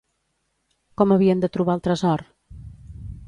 Com havien de trobar el tresor?